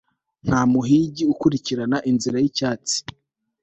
Nta muhigi ukurikirana inzira yicyatsi